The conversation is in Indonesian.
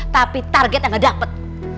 tapi targetnya gak dapet